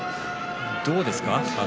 どうですか？